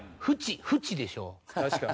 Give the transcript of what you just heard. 確かに。